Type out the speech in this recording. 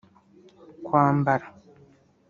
kwambara